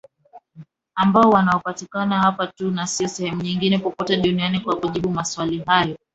ambao wanapatikana hapo tu na sio sehemu nyingine popote duniani Kwa kujibu maswali hayo